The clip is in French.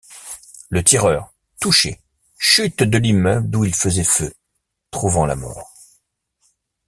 Le tireur, touché, chute de l'immeuble d'où il faisait feu, trouvant la mort.